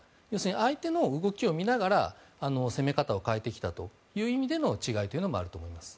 相手の動きを見ながら攻め方を変えてきたという意味での違いというのもあると思います。